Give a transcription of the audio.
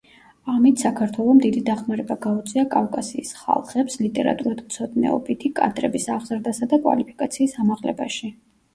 ამით საქართველომ დიდი დახმარება გაუწია კავკასიის ხალხებს ლიტერატურათმცოდნეობითი კადრების აღზრდასა და კვალიფიკაციის ამაღლებაში.